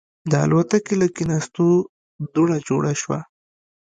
د الوتکې له کېناستو دوړه جوړه شوه.